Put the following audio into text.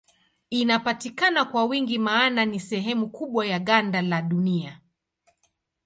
Inapatikana kwa wingi maana ni sehemu kubwa ya ganda la Dunia.